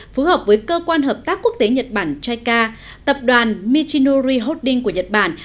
phù hợp với cơ quan hợp tác quốc tế nhật bản chai car tập đoàn michinori holding của nhật bản